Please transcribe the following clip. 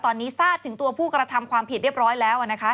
ตอนนี้ทราบถึงตัวผู้กระทำความผิดเรียบร้อยแล้วนะคะ